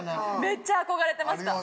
めっちゃ憧れてました。